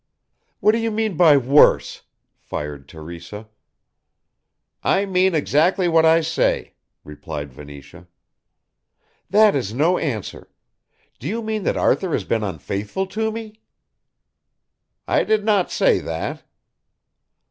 "What do you mean by worse?" fired Teresa. "I mean exactly what I say," replied Venetia. "That is no answer. Do you mean that Arthur has been unfaithful to me?" "I did not say that."